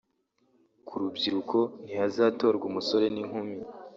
Ku rubyiruko ntihazatorwa umusore n’inkumi